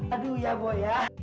aduh ya bo ya